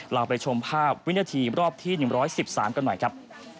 เราไปชมภาพวินาทีรอบที่๑๑๓กันหน่อยครับ